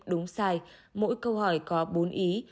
đúng sai mỗi câu hỏi có bốn ý